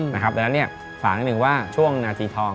ฉะนั้นฝากก่อนหนึ่งว่าช่วงนาธิธรอง